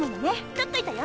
取っといたよ。